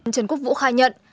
trần quốc vũ khai nhận